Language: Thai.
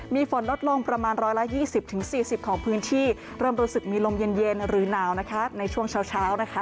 มีฝนลดลงประมาณ๑๒๐๔๐ของพื้นที่เริ่มรู้สึกมีลมเย็นหรือหนาวนะคะในช่วงเช้านะคะ